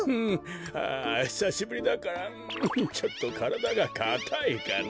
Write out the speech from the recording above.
あひさしぶりだからんちょっとからだがかたいかな。